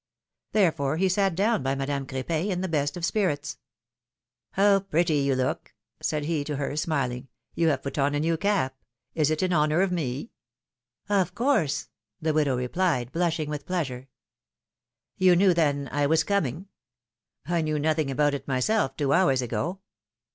Therefore he sat down by Madame Cr^pin in the best of spirits. How pretty you look! " said he to her, smiling; ^^you have put on a new cap. Is it in honor of me?" phtlom^:ne's marriages. 245 course!'^ the widow replied, blushing with pleasure. ^^You knew, then, I was coming? I knew nothing about it myself two hours ago!